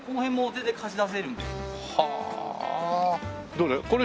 どれ？